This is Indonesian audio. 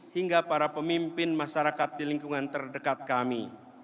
hingga para pemimpin masyarakat di lingkungan terdekat kami